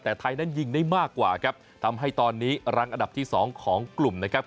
แต่ไทยนั้นยิงได้มากกว่าครับทำให้ตอนนี้รังอันดับที่สองของกลุ่มนะครับ